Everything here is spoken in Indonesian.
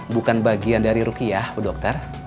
bukan bagian dari rukiah dokter